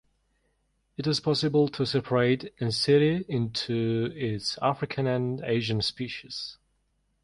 It is possible to separate "Ensete" into its African and Asian species.